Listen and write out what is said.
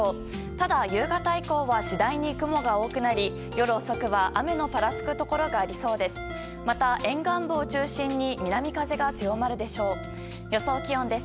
ただ、夕方以降は次第に雲が多くなり夜遅くは雨のぱらつくところがありそうです。